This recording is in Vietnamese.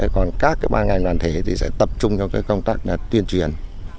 còn các cái ban ngành đoàn thể thì sẽ tập trung cho cái công tác là tuyên truyền